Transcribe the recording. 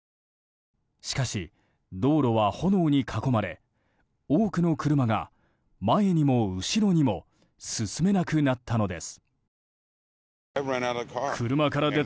しかし、道路は炎に囲まれ多くの車が、前にも後ろにも進めなくなったのです。